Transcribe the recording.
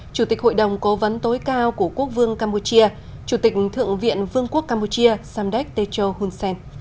chủ tịch hội đồng cố vấn tối cao của quốc vương campuchia chủ tịch thượng viện vương quốc campuchia samdek techo hun sen